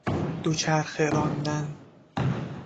دوچرخه راندن